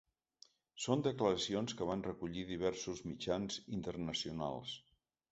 Són declaracions que van recollir diversos mitjans internacionals.